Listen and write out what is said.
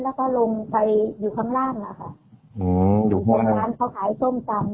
แล้วก็ลงไปอยู่ข้างล่างอะค่ะอืมอยู่ข้างร้านเขาขายส้มตำ